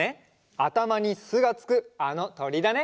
あたまに「す」がつくあのとりだね！